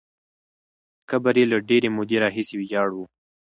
قبر یې له ډېرې مودې راهیسې ویجاړ وو.